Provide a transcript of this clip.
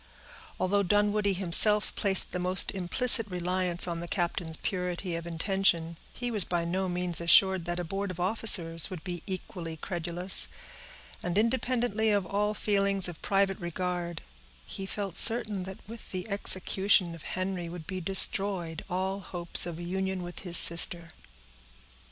Although Dunwoodie himself placed the most implicit reliance on the captain's purity of intention, he was by no means assured that a board of officers would be equally credulous; and, independently of all feelings of private regard, he felt certain that with the execution of Henry would be destroyed all hopes of a union with his sister.